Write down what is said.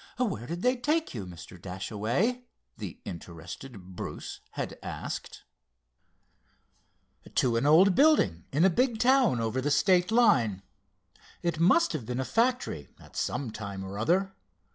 "Where did they take you, Mr. Dashaway?" the interested Bruce had asked. "To an old building in a big town over the state line. It must have been a factory, at some time or other.